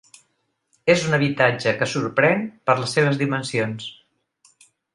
És un habitatge que sorprèn per les seves dimensions.